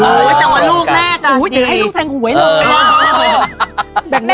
ลูกแม่อ๋อแต่ให้ลูกแท่งหัวอะไร